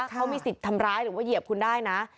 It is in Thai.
เขามีสิทธิ์ทำร้ายหรือว่าเหยียบคุณได้นะ